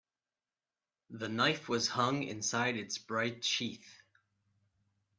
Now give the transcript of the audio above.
The knife was hung inside its bright sheath.